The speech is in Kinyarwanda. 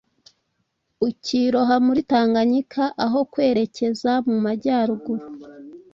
ukiroha muri Tanganyika aho kwerekeza mu majyaruguru